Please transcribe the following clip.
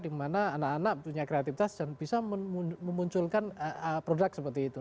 dimana anak anak punya kreativitas dan bisa memunculkan produk seperti itu